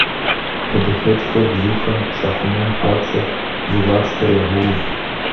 Хадэхэкӏхэр бзухэм щахъумэн папщӏэ, бзугъащтэ ягъэув.